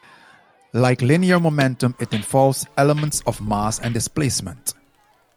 Like linear momentum it involves elements of mass and displacement.